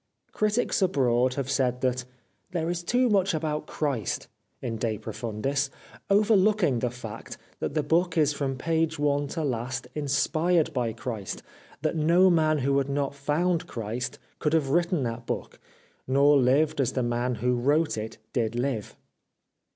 Critics abroad have said that " there is too much about Christ " in " De Profundis/' overlooking the fact that the book is from first page to last inspired by Christ, that no man who had not found Christ could have written that book, nor lived as the man who wrote it did live.